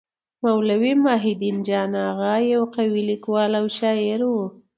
مولوي محی الدين جان اغا يو قوي لیکوال او شاعر وو.